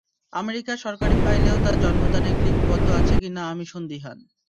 আমেরিকার সরকারি ফাইলেও তার জন্ম তারিখ লিপিবদ্ধ আছে কিনা আমি সন্দিহান।